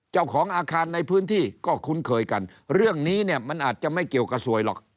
เจ้าของอาคารในพื้นที่ก็คุ้นเคยกันเรื่องนี้เนี่ยมันอาจจะไม่เกี่ยวกับสวยหรอก